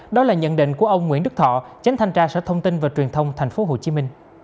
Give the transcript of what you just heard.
đó là nhận định của ông nguyễn đức thọ tránh thanh tra sở thông tin và truyền thông tp hcm